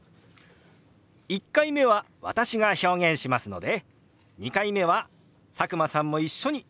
１回目は私が表現しますので２回目は佐久間さんも一緒に手を動かしてみましょう！